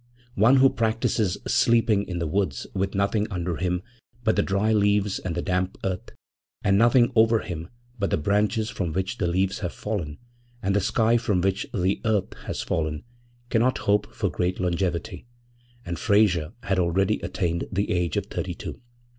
One who practises sleeping in the woods with nothing under him but the dry leaves and the damp earth, and nothing over him but the branches from which the leaves have fallen and the sky from which the earth has fallen, cannot hope for great longevity, and Frayser had already attained the age of thirty two.